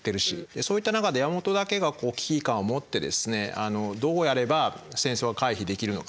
そういった中で山本だけが危機感を持ってですねどうやれば戦争は回避できるのか。